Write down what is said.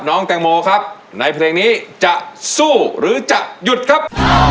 น้องแตงโมครับในเพลงนี้จะสู้หรือจะหยุดครับ